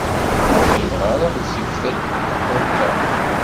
Ur ɣileɣ ara ɣezzifet akk akka.